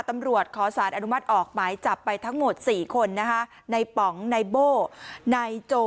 ตำรวจขอสารอนุมัติออกหมายจับไปทั้งหมด๔คนนะคะในป๋องนายโบ้นายโจ